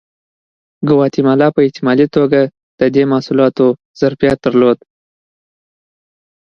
ګواتیمالا په احتمالي توګه د دې محصولاتو ظرفیت درلود.